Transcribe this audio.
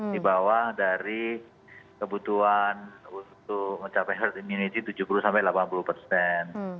di bawah dari kebutuhan untuk mencapai herd immunity tujuh puluh delapan puluh persen